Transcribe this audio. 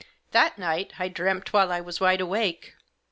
That night I dreamt while I was wide awake.